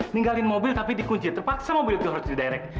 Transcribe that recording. tinggalin mobil tapi dikunci terpaksa mobil itu harus di direct